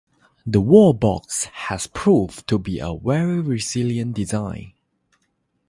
The wall box has proved to be a very resilient design.